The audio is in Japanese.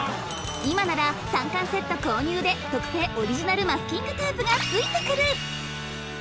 今なら３巻セット購入で特製オリジナルマスキングテープがついてくる！